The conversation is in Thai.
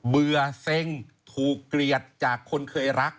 เบื่อเซ็งถูกเกลียดจากคนเคยรัก